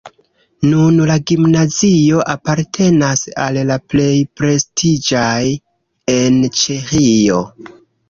Nun la gimnazio apartenas al la plej prestiĝaj en Ĉeĥio.